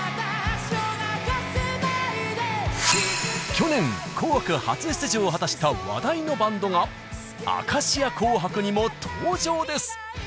去年「紅白」初出場を果たした話題のバンドが「明石家紅白！」にも登場です！